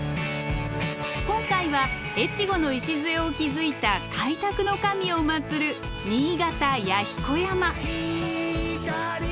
今回は越後の礎を築いた「開拓の神」を祀る新潟弥彦山。